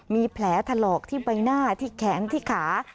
มีแผลถลอกที่ใบหน้าที่แขนที่ขา